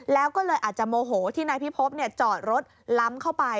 แล้วก็เลยอาจจะโมโหที่นายพิพบจอดรถล้ำเข้าไป